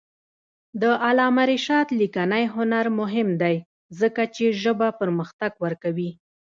د علامه رشاد لیکنی هنر مهم دی ځکه چې ژبه پرمختګ ورکوي.